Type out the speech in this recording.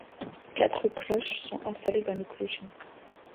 Quatre cloches sont installées dans le clocher.